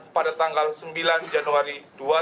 pada tanggal sembilan januari dua ribu delapan belas